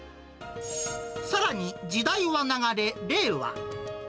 さらに時代は流れ、令和。